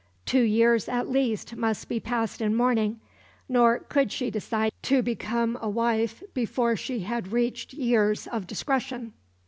Two years at least must be passed in mourning, nor could she decide to become a wife before she had reached years of discretion.